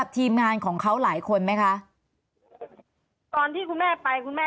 ตอนที่จะไปอยู่โรงเรียนนี้แปลว่าเรียนจบมไหนคะ